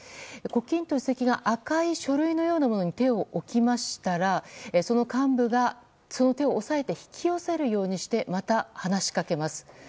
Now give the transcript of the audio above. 胡錦涛主席が赤い書類のようなものに手を寄せたらその幹部が、その手を抑えて引き寄せるようにしてまた話しかけます。